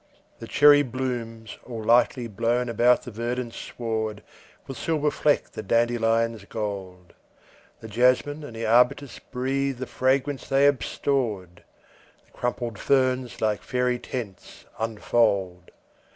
The cherry blooms, all lightly blown about the verdant sward, With silver fleck the dandelion's gold; The jasmine and arbutus breathe the fragrance they have stored; The crumpled ferns, like faery tents, unfold.